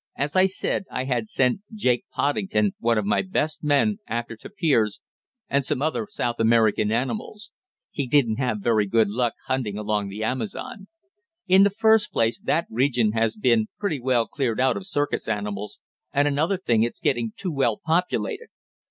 "As I said I had sent Jake Poddington, one of my best men, after tapirs and some other South American animals. He didn't have very good luck hunting along the Amazon. In the first place that region has been pretty well cleaned out of circus animals, and another thing it's getting too well populated.